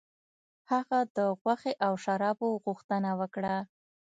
هغه د غوښې او شرابو غوښتنه وکړه.